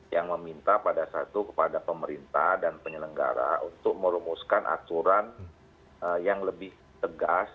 yang meminta pada satu kepada pemerintah dan penyelenggara untuk merumuskan aturan yang lebih tegas